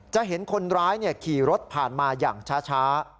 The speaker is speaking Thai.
จะเห็นคนร้ายขี่รถผ่านมาอย่างช้า